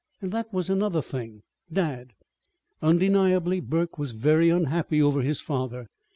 And that was another thing dad. Undeniably Burke was very unhappy over his father.